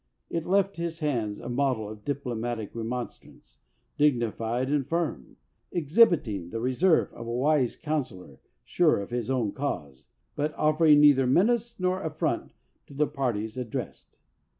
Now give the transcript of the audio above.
It left his hands a model of diplomatic remonstrance— dignified and firm, exhibiting the reserve of a wise counselor sure of his own cause, but offering 299 LINCOLN THE LAWYER neither menace nor affront to the parties ad dressed.